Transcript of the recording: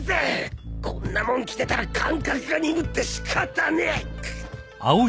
こんなもん着てたら感覚が鈍って仕方ねえ！